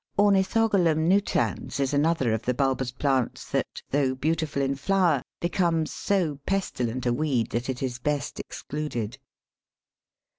Ornithogalum nutans is another of the bulbous plants that, though beautiful in flower, becomes so pestilent a weed that it is best excluded.